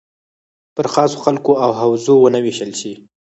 پر خاصو خلکو او حوزو ونه ویشل شي.